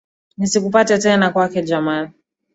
Nisikupate tena kwake Jamal